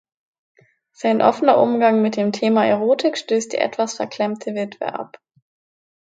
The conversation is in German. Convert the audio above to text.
Sein offener Umgang mit dem Thema Erotik stößt die etwas verklemmte Witwe ab.